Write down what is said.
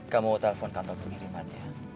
kamu telpon kantor pengirimannya